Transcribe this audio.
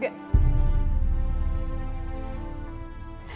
dan ke surga